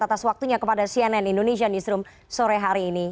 atas waktunya kepada cnn indonesia newsroom sore hari ini